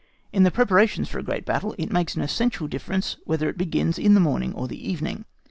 In the preparations for a great battle, it makes an essential difference whether it begins in the morning or the evening.